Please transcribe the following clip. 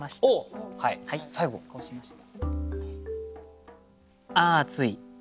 こうしました。